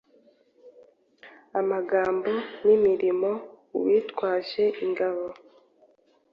Amagambo nimirimouwitwaje ingabo